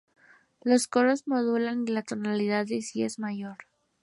Los coros modulan a la tonalidad de Si mayor.